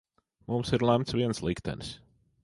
Mums ir lemts viens liktenis.